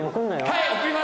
はい。